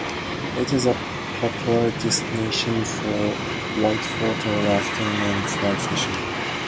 It is a popular destination for whitewater rafting and fly fishing.